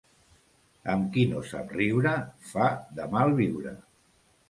Amb qui no sap riure fa de mal viure.